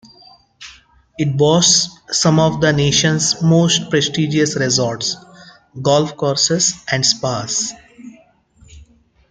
It boasts some of the nation's most prestigious resorts, golf courses, and spas.